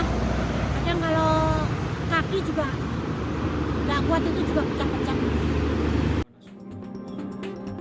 kadang kalau kaki juga nggak kuat itu juga pecah pecah